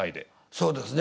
そうですね。